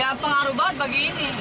ya pengaruh banget pagi ini